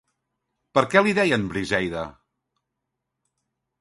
Per què li deien Briseida?